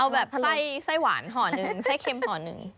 เอาแบบไส้หวานห่อหนึ่งไส้เค็มห่อหนึ่ง